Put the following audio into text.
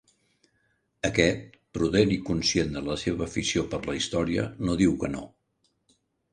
Aquest, prudent i conscient de la seva afició per la història, no diu que no.